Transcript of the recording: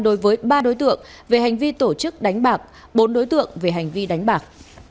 đối với ba đối tượng về hành vi tổ chức đánh bạc bốn đối tượng về hành vi đánh bạc